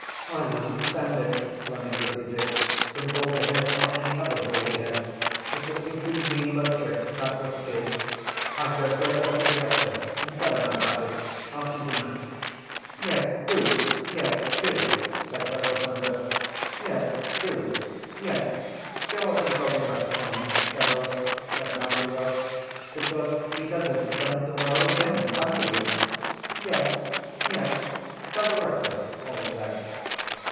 —I wouldn’t stand it, Fleming repeated, from Baldyhead or any other Baldyhead. It’s a stinking mean low trick, that’s what it is. I’d go straight up to the rector and tell him about it after dinner. —Yes, do. Yes, do, said Cecil Thunder. —Yes, do. Yes, go up and tell the rector on him, Dedalus, said Nasty Roche, because he said that he’d come in tomorrow again and pandy you. —Yes, yes. Tell the rector, all said.